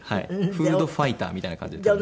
フードファイターみたいな感じで食べます。